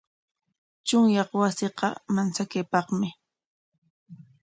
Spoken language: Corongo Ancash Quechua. Chunyaq wasiqa manchakuypaqmi.